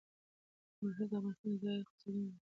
ننګرهار د افغانستان د ځایي اقتصادونو بنسټ دی.